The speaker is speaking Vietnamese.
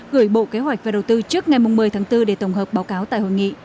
gửi bộ kế hoạch và đầu tư trước ngày một mươi tháng bốn để tổng hợp báo cáo tại hội nghị